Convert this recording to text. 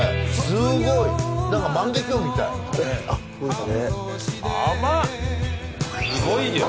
すごいよ。